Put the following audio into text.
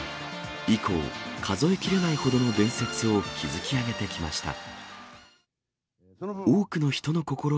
以降、数えきれないほどの伝説を築き上げてきました。